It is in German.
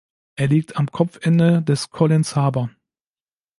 Er liegt am Kopfende des Collins Harbour.